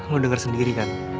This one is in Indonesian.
lo denger sendiri kan